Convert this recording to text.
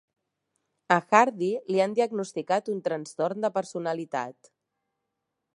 A Hardy li han diagnosticat un trastorn de personalitat.